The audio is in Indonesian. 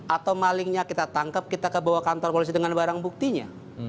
atau malingnya kita tangkap kita ke bawah kantor polisi dengan barang buktinya